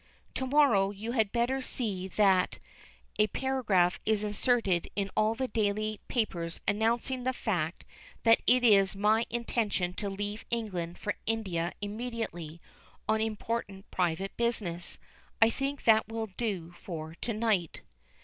To morrow you had better see that a paragraph is inserted in all the daily papers announcing the fact that it is my intention to leave England for India immediately, on important private business. I think that will do for to night."